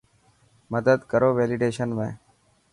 مدد ڪرو ويليڊشن ۾.